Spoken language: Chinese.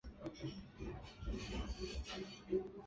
办理公证